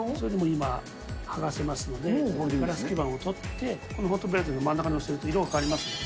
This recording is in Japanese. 今、剥がせますので、ガラス基板を取って、このホットプレートの真ん中に載せると色が変わります。